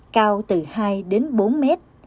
cao từ hai đến bốn m